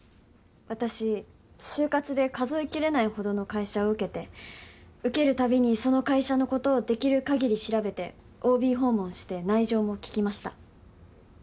私就活で数え切れないほどの会社を受けて受けるたびにその会社のことをできるかぎり調べてＯＢ訪問して内情も聞きました